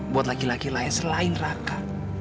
buat laki laki lahir selain raka